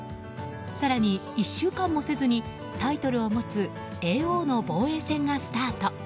更に、１週間もせずにタイトルを持つ叡王の防衛戦がスタート。